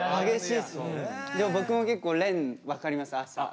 でも僕も結構廉分かります朝。